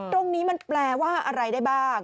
ตรงนี้มันแปลว่าอะไรได้บ้าง